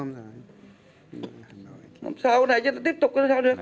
sao thế này chứ tiếp tục làm sao nữa